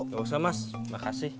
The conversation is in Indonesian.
gak usah mas makasih